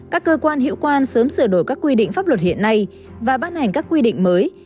các cơ quan hiệu quan sớm sửa đổi các quy định pháp luật hiện nay và ban hành các quy định mới